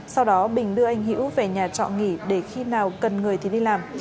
sau đó bình đưa anh hiễu về nhà trọ nghỉ để khi nào cần người thì đi làm